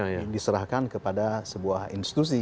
ini diserahkan kepada sebuah institusi